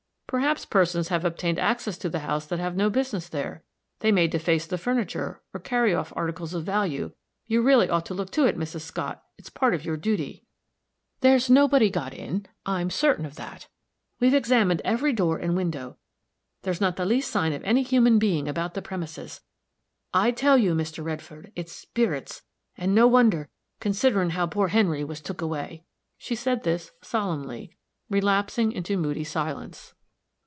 "Perhaps persons have obtained access to the house that have no business there. They may deface the furniture, or carry off articles of value. You really ought to look to it, Mrs. Scott; it's part of your duty." "There's nobody got in I'm certain of that. We've examined every door and window. There's not the least sign of any human being about the premises. I tell you, Mr. Redfield, it's spirits; and no wonder, considering how poor Henry was took away." She said this solemnly, relapsing into moody silence.